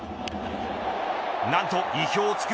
何と意表を突く